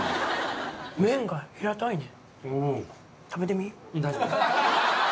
麺が平たいねん。